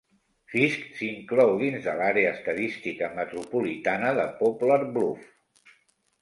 Fisk s'inclou dins de l'àrea estadística metropolitana de Poplar Bluf.